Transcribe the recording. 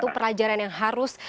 itu satu pelajaran yang harus